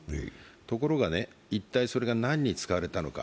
ところが一体、それが何に使われたのか。